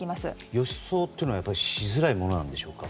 予想というのはしづらいものなんでしょうか？